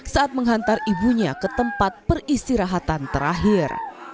saat menghantar ibunya ke tempat peristirahatan terakhir